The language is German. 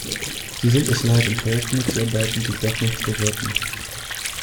Sie sind es leid, in Projekten mitzuarbeiten, die doch nichts bewirken.